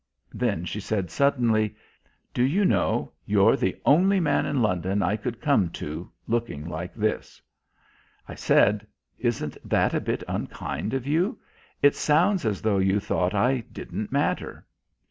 Then she said suddenly, "Do you know, you're the only man in London I could come to looking like this." I said, "Isn't that a bit unkind of you? It sounds as though you thought I didn't matter."